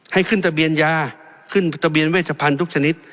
ให้ขึ้นทะเบียนยาขึ้นทะเบียนเวชพันธุ์ทุกชนิด